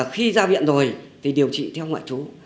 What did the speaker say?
khi ra viện rồi thì điều trị theo ngoại chú